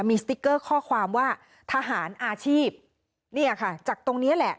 มีสติ๊กเกอร์ข้อความว่าทหารอาชีพเนี่ยค่ะจากตรงเนี้ยแหละ